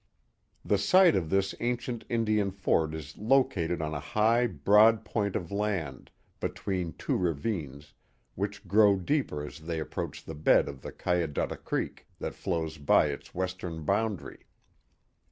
The site of this ancient Indian fort is located on a high, broad point of land, between two ravines, which grow deeper as they approach the bed of the Cayudutta Creek, that flows by its western boundary.